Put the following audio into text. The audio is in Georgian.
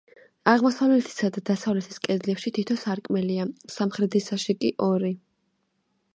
აღმოსავლეთისა და დასავლეთის კედლებში თითო სარკმელია, სამხრეთისაში კი ორი.